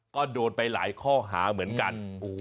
ก็โดนไปหลายข้อหาเหมือนกัน